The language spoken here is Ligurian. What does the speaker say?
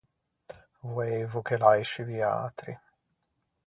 Voeivo che l’aisci viatri.